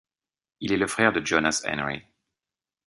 Il est le frère de Jonas Ennery.